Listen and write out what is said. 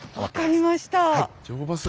分かりました。